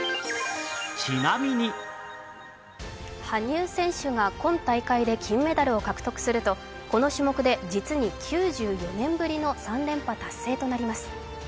羽生選手が今大会で金メダルを獲得するとこの種目で実に９４年ぶりの３連覇達成となります。